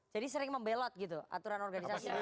jadi sering membelot gitu aturan organisasi